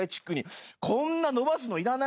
こんな伸ばすのいらないんだよ。